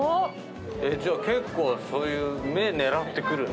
じゃあ結構そういう目狙ってくるんだ。